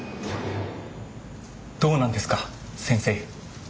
どうなんですか先生。